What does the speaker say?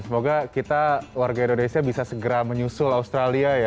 semoga kita warga indonesia bisa segera menyusul australia ya